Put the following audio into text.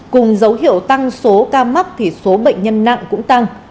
cùng dấu hiệu tăng số ca mắc thì số bệnh nhân nặng cũng tăng